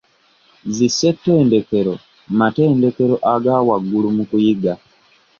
Zi ssettendekero matendekero aga waggulu mu kuyiga.